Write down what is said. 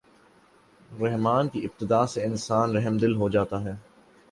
رحمٰن کی اتباع سے انسان رحمدل ہو جاتا ہے۔